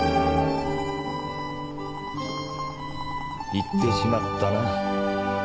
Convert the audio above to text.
行ってしまったな。